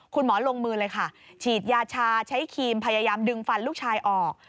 คุณหมอลงมือเลยค่ะฉีดยาชาใช้ครีมพยายามดึงฟันลูกชายออก